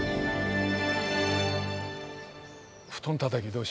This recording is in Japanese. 布団たたきどうしようか。